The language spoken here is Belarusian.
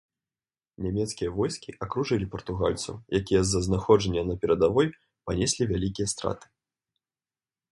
Нямецкія войскі акружылі партугальцаў, якія з-за знаходжання на перадавой панеслі вялікія страты.